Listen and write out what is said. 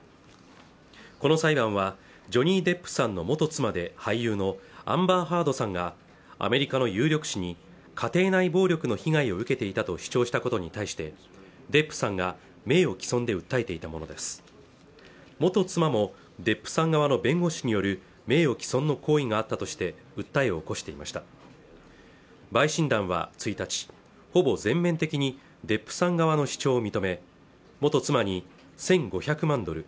この裁判はジョニー・デップさんの元妻で俳優のアンバー・ハードさんがアメリカの有力紙に家庭内暴力の被害を受けていたと主張したことに対してデップさんが名誉毀損で訴えていたものです元妻もデップさん側の弁護士による名誉毀損の行為があったとして訴えを起こしていました陪審団は１日ほぼ全面的にデップさん側の主張を認め元妻に１５００万ドル